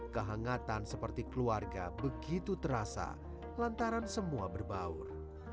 kehangatan seperti keluarga begitu terasa lantaran semua berbaur